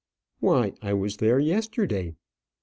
"Why, I was there yesterday."